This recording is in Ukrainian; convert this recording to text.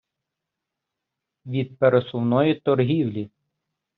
від пересувної торгівлі.